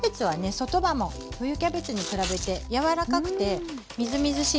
外葉も冬キャベツに比べて柔らかくてみずみずしいのでね